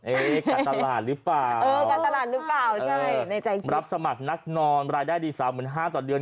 เอ๊ะการตลาดหรือเปล่ารับสมัครนักนอนรายได้ดี๓๕๐๐๐ต่อเดือน